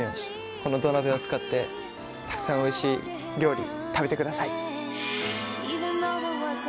この土鍋を使ってたくさんおいしい料理食べてください。